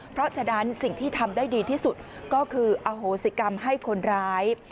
เพราะฉะนั้นสิ่งที่ทำได้ดีที่สุดก็คืออโหสิกรรมให้คนร้าย